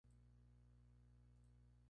Su uso está muy extendido.